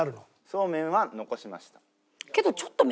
そうめんは残しました。